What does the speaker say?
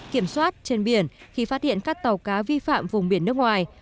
kiểm soát trên biển khi phát hiện các tàu cá vi phạm vùng biển nước ngoài